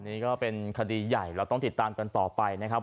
นี่ก็เป็นคดีใหญ่เราต้องติดตามกันต่อไปนะครับ